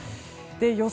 予想